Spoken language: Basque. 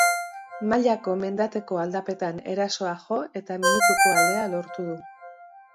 Mailako mendateko aldapetan erasoa jo eta minutuko aldea lortu du.